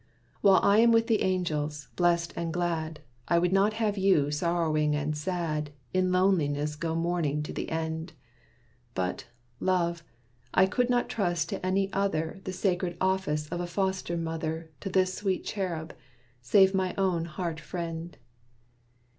While I am with the angels, blest and glad, I would not have you sorrowing and sad, In loneliness go mourning to the end. But, love! I could not trust to any other The sacred office of a foster mother To this sweet cherub, save my own heart friend.